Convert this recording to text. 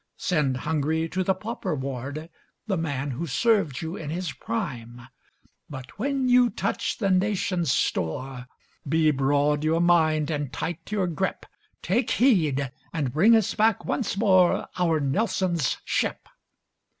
Send hungry to the pauper ward The man who served you in his prime! But when you touch the Nation's store, Be broad your mind and tight your grip. Take heed! And bring us back once more Our Nelson's ship.